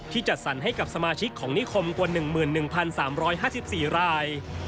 จัดสรรให้กับสมาชิกของนิคมกว่า๑๑๓๕๔ราย